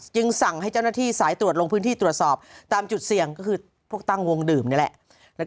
จึงสั่งให้เจ้าหน้าที่สายตรวจลงพื้นที่ตรวจสอบตามจุดเสี่ยงก็คือพวกตั้งวงดื่มนี่แหละ